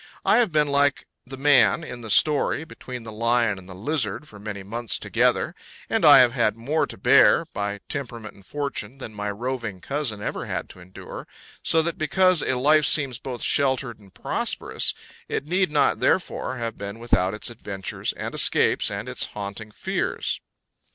I have been like the man in the story, between the lion and the lizard for many months together; and I have had more to bear, by temperament and fortune, than my roving cousin ever had to endure; so that because a life seems both sheltered and prosperous, it need not therefore have been without its adventures and escapes and its haunting fears.